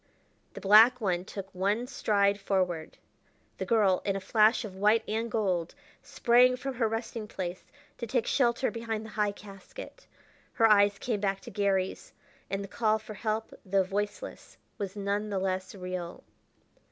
The black one took one stride forward; the girl, in a flash of white and gold, sprang from her resting place to take shelter behind the high casket. Her eyes came back to Garry's, and the call for help though voiceless was none the less real.